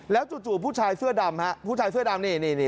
จู่ผู้ชายเสื้อดำฮะผู้ชายเสื้อดำนี่